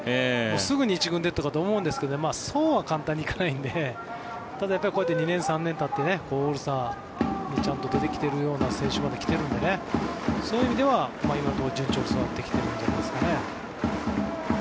すぐに１軍でとか思うんですけどそうは簡単にいかないんでただ、こうやって２年、３年たってオールスターでちゃんと出てきているような選手まで来ているのでそういう意味では今のところ順調に育ってきてるんじゃないですかね。